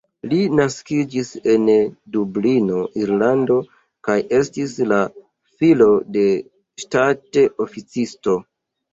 Li naskiĝis en Dublino, Irlando kaj estis la filo de ŝtat-oficisto.